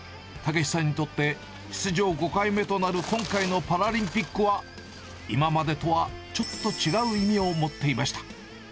たけしさんにとって、出場５回目となる今回のパラリンピックは、今までとはちょっと違う意味を持っていました。